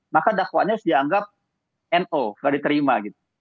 maka dakwaannya harus dianggap no gak diterima gitu